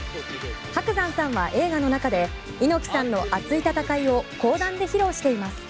伯山さんは映画の中で猪木さんの熱い戦いを講談で披露しています。